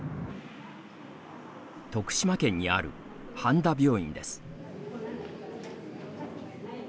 徳島県にある半田病院です。